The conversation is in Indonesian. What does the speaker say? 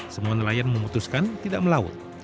semua nelayan memutuskan tidak melaut